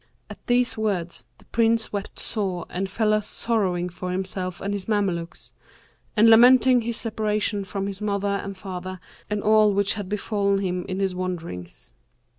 At these words the Prince wept sore and fell a sorrowing for himself and his Mamelukes; and lamenting his separation from his mother and father and all which had befallen him in his wanderings.